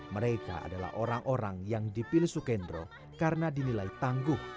mereka adalah orang orang yang dipilih sukendro karena dinilai tangguh